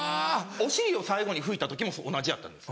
お尻を最後に拭いた時も同じやったんです。